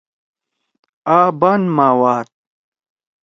آ بان ما واد